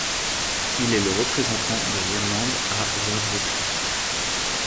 Il est le représentant de l'Irlande à World Rugby.